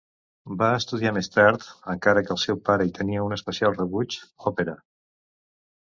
Va estudiar més tard, encara que el seu pare hi tenia un especial rebuig, òpera.